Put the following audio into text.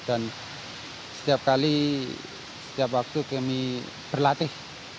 dan setiap kali setiap waktu kami berlatih